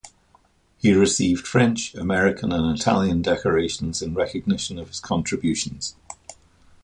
He received French, American and Italian decorations in recognition of his contributions.